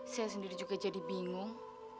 saya sendiri juga jadi bingung